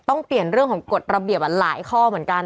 ต้องเปลี่ยนเรื่องของกฎระเบียบหลายข้อเหมือนกัน